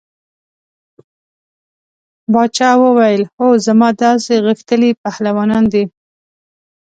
باچا وویل هو زما داسې غښتلي پهلوانان دي.